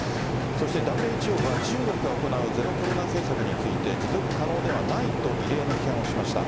そしてＷＨＯは、中国が行うゼロコロナ政策について、持続可能ではないと異例の批判をしました。